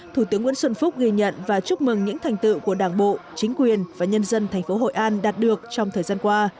thủ tướng nguyễn xuân phúc ghi nhận và chúc mừng những thành tựu của đảng bộ chính quyền và nhân dân thành phố hội an đạt được trong thời gian qua